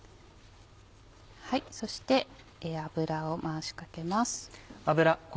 そして油を回しかけます。